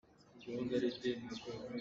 Hnamhnak nih dawtnak a langhter.